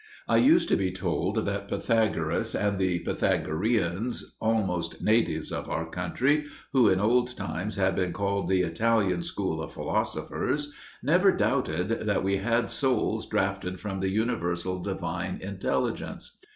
I used to be told that Pythagoras and the Pythagoreans almost natives of our country, who in old times had been called the Italian school of philosophers never doubted that we had souls drafted from the universal Divine intelligence.